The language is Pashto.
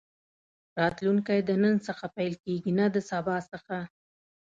راتلونکی د نن څخه پيل کېږي نه د سبا څخه.